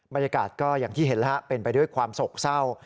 บรรยากาศก็อย่างที่เห็นแล้วเป็นไปด้วยความโศกเศร้า